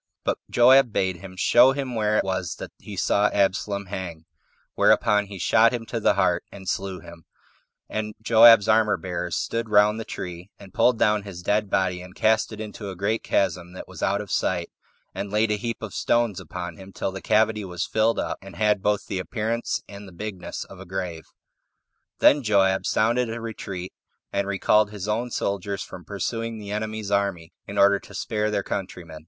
But Joab bade him show him where it was that he saw Absalom hang; whereupon he shot him to the heart, and slew him, and Joab's armor bearers stood round the tree, and pulled down his dead body, and cast it into a great chasm that was out of sight, and laid a heap of stones upon him, till the cavity was filled up, and had both the appearance and the bigness of a grave. Then Joab sounded a retreat, and recalled his own soldiers from pursuing the enemy's army, in order to spare their countrymen.